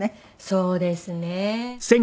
そうですね。